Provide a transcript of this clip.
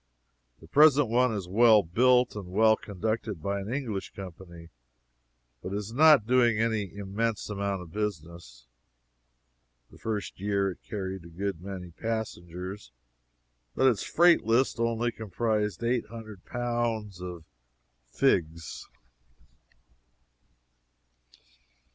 The present one is well built and well conducted, by an English Company, but is not doing an immense amount of business. The first year it carried a good many passengers, but its freight list only comprised eight hundred pounds of figs!